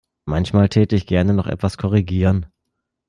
Manchmal täte ich gern noch etwas korrigieren.